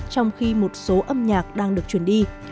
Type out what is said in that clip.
trong khi một số âm nhạc đang được truyền đi